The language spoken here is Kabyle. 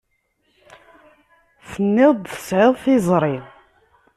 Tenniḍ-d tesεiḍ tiẓri.